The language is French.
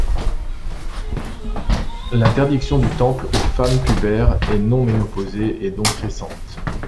L'interdiction du temple aux femmes pubères et non ménopausées est donc récente.